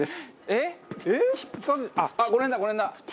この辺だこの辺だ！